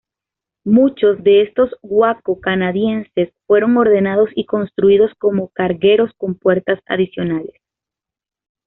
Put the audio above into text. Muchos de estos Waco canadienses fueron ordenados y construidos como cargueros con puertas adicionales.